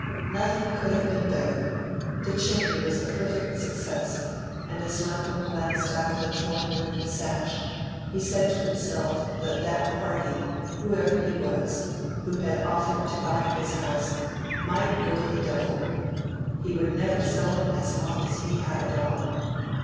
Nothing could have been better; the chimney was a perfect success; and as Lapham glanced out of the torn linen sash he said to himself that that party, whoever he was, who had offered to buy his house might go to the devil; he would never sell it as long as he had a dollar.